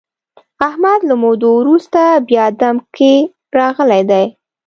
احمد له مودو ورسته بیا دم کې راغلی دی.